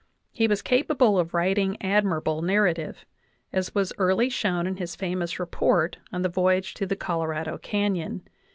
He was capable of writing admira ble narrative, as was early shown in his famous report on the voyage through the Colorado Canyon.